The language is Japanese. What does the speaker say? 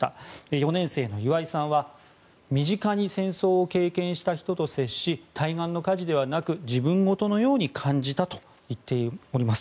４年生の岩井さんは身近に戦争を経験した人と接し対岸の火事ではなく自分ごとのように感じたと言っております。